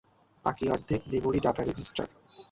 বাকি অর্ধেক memory data register.